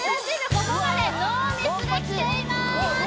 ここまでノーミスできていまーす・